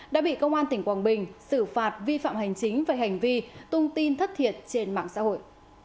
đã bị công an tỉnh quảng bình xử phạt vi phạm hành chính về hành vi tung tin thất thiệt trên mạng xã hội